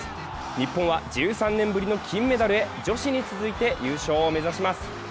日本は１３年ぶりの金メダルへ女子に続いて優勝を目指します。